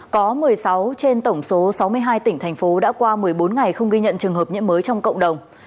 có một mươi sáu trên tổng số sáu mươi hai tỉnh thành phố đã qua một mươi bốn ngày không ghi nhận trường hợp nhiễm mới trong cộng đồng